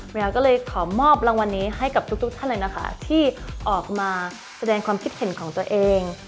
เวลาก็เลยขอมอบรางวัลนี้ให้กับทุกท่านเลยนะคะที่ออกมาแสดงความคิดเห็นของตัวเอง